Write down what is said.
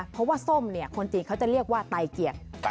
เพราะว่าส้มเนี่ยคนจีนเขาจะเรียกว่าไตเกียรติ